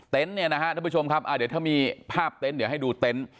เนี่ยนะฮะทุกผู้ชมครับเดี๋ยวถ้ามีภาพเต็นต์เดี๋ยวให้ดูเต็นต์